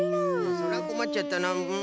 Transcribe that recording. それはこまっちゃったなうん。